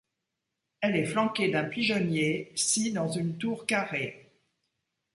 Elle est flanquée d'un pigeonnier sis dans une tour carrée.